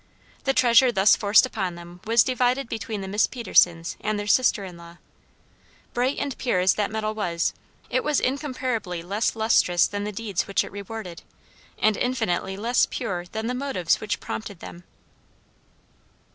The treasure thus forced upon them was divided between the Miss Petersons and their sister in law. Bright and pure as that metal was, it was incomparably less lustrous than the deeds which it rewarded, and infinitely less pure than the motives which prompted them.